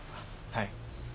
はい。